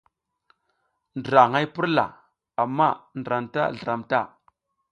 Ndra aƞ hay purla amma ndra anta zliram ta.